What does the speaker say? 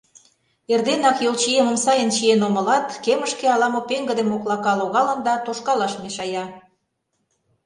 Эрденак йолчиемым сайын чиен омылат, кемышке ала-мо пеҥгыде моклака логалын да тошкалаш мешая.